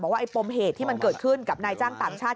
ว่าไอปมเหตุที่มันเกิดขึ้นกับนายจ้างต่างชาติ